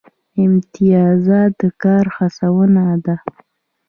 امتیازات د کار هڅونه ده